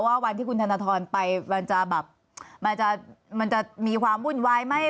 ว่าวันที่คุณธนทรไปมันจะแบบมันจะมีความวุ่นวายไหม